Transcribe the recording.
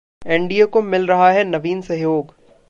NDA को मिल रहा है नवीन सहयोग